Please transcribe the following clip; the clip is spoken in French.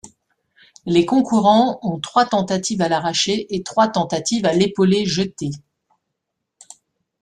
Les concurrents ont trois tentatives à l'arraché et trois tentatives à l'épaulé-jeté.